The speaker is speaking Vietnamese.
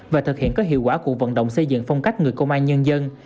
và thực hiện các hiệu quả của vận động xây dựng phong cách người công an nhân dân